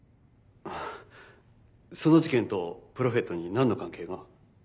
その事件とプロフェットに何の関係が？